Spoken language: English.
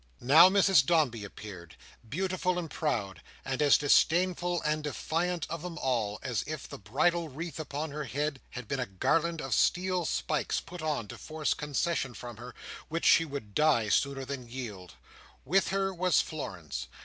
Now Mrs Dombey appeared, beautiful and proud, and as disdainful and defiant of them all as if the bridal wreath upon her head had been a garland of steel spikes put on to force concession from her which she would die sooner than yield. With her was Florence.